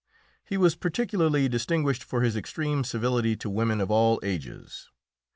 He was particularly distinguished for his extreme civility to women of all ages.